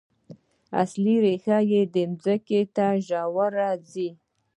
اصلي ریښه ځمکې ته ژوره ځي